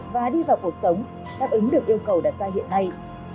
và đi vào cuộc sống đáp ứng được yêu cầu đặt ra hiện nay